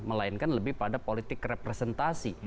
melainkan lebih pada politik representasi